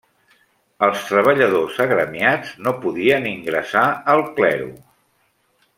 Els treballadors agremiats no podien ingressar al clero.